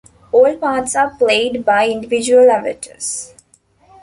All parts are played by individual avatars.